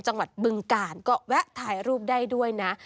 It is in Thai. จังหวัดบึงการก็แวะถ่ายรูปได้ด้วยนะ